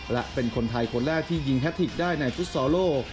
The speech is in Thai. และเป็นคนไทยคนแรกที่ยิงแททิกได้ในฟุตซอลโลก